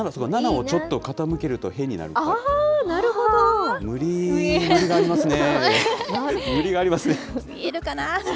７をちょっと傾けるとへになると。